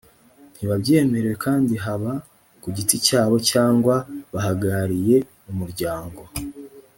ntibabyemerewe kandi haba ku giti cyabo cyangwa bahagariye umuryango